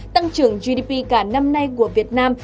tăng trưởng gdp cả năm nay của việt nam